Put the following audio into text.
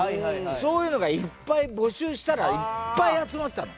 そういうのがいっぱい募集したらいっぱい集まったの。